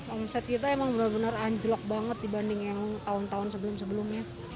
omset kita emang bener bener anjlok banget dibanding yang tahun tahun sebelum sebelumnya